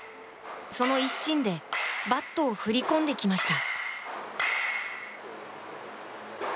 その一心でバットを振り込んできました。